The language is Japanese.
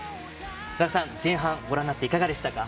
田中さん、前半ご覧になって、いかがですか？